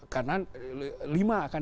karena lima akan